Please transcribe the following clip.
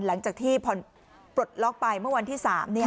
หลังจากที่พอปลดล็อกไปเมื่อวันที่๓